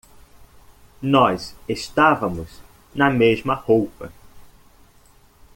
Nós estávamos na mesma roupa.